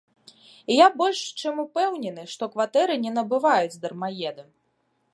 І я больш чым упэўнены, што кватэры не набываюць дармаеды.